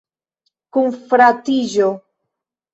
Kunfratiĝo.